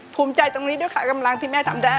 ภูมิใจตรงนี้ด้วยค่ะกำลังที่แม่ทำได้